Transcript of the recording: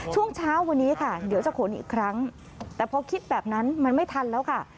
ช่วงเช้าวันนี้ค่ะเดี๋ยวจะขนอีกครั้งแต่พอคิดแบบนั้นมันไม่ทันแล้วค่ะ